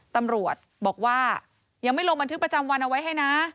ตำรวจบอกว่ายังไม่ลงบันทึกประจำวันเอาไว้ให้นะ